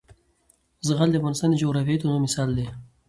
زغال د افغانستان د جغرافیوي تنوع مثال دی.